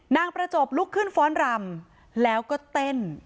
ประจบลุกขึ้นฟ้อนรำแล้วก็เต้น